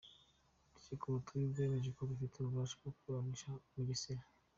Urukiko Rukuru rwemeje ko rufite ububasha bwo kuburanisha Mugesera